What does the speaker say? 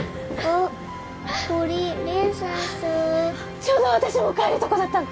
ちょうど私も帰るとこだったの。